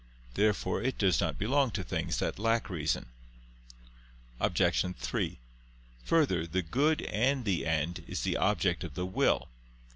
Therefore it does not belong to things that lack reason. Obj. 3: Further, the good and the end is the object of the will.